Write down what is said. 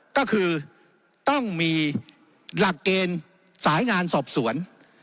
ก็คือต้องมีหลักเกณฑ์สายงานสอบสวน